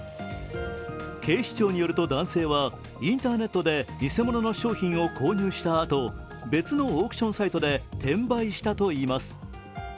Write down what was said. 警視庁によると男性は、インターネットで偽物の商品を購入したあと別のオークションサイトで転売したといいます。